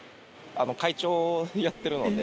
会長やってるので。